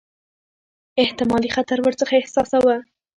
احتمالي خطر ورڅخه احساساوه.